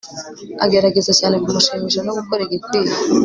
agerageza cyane kumushimisha no gukora igikwiye